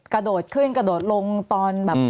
กระโดดขึ้นกระโดดลงตอนว่ากวาดท่อ